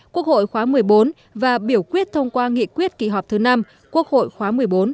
quốc hội khóa một mươi bốn và biểu quyết thông qua nghị quyết kỳ họp thứ năm quốc hội khóa một mươi bốn